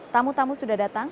tamu tamu sudah datang